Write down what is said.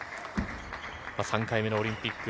３回目のオリンピック。